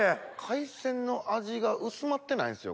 海鮮の味が薄まってないんすよ。